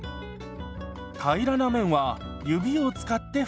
平らな面は指を使って拭きます。